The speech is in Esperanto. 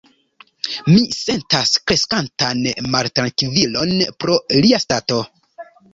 Mi sentas kreskantan maltrankvilon pro lia stato.